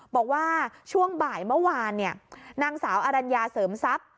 บอกว่าช่วงบ่ายเมื่อวานนางสาวอรัญญาเสริมทรัพย์